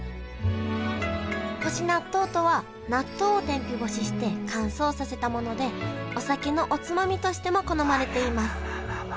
干し納豆とは納豆を天日干しして乾燥させたものでお酒のおつまみとしても好まれていますあらららら。